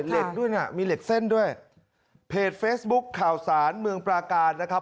เหล็กด้วยน่ะมีเหล็กเส้นด้วยเพจเฟซบุ๊คข่าวสารเมืองปราการนะครับ